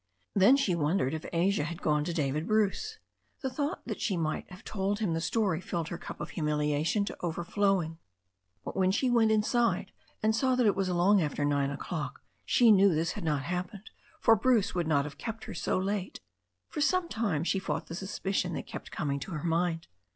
Then she wondered if Asia had gone to David Bruce. The thought that she might have told him the story filled her cup of humiliation to overflowing. But when she went inside and saw that it was long after nine o'clock she knew this had not l^appened, for Bruce would not have kept her so late. For some time she fought the suspicion that kept coming to her mind.